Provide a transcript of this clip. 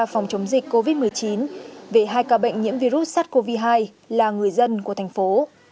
phòng chống dịch covid một mươi chín về hai ca bệnh nhiễm virus sars cov hai là người dân của thành phố